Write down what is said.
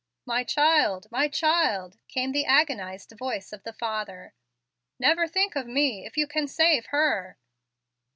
"My child, my child!" came the agonized voice of the father. "Never think of me, if you can save her."